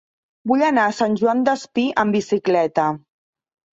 Vull anar a Sant Joan Despí amb bicicleta.